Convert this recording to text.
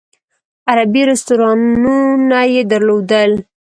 عربي رستورانونه یې درلودل.